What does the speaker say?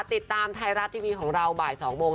ติดตามไทยรัฐทีวีของเราบ่าย๒โมง